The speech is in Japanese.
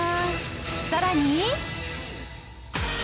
さらに